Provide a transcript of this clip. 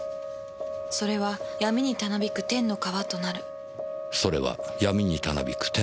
「それは闇にたなびく天の川となる」